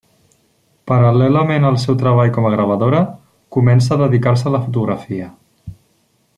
Paral·lelament al seu treball com a gravadora, comença a dedicar-se a la fotografia.